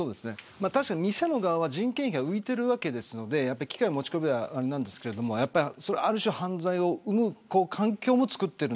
確かに店の側は人件費が浮いてるので機械の持ち込みはあれなんですがある種、犯罪を生む環境もつくっています。